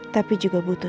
tapi juga butuh